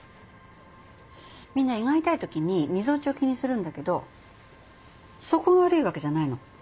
みんな胃が痛いときにみぞおちを気にするんだけどそこが悪いわけじゃないの。